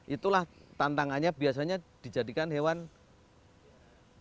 itulah tantangannya biasanya dijadikan hewan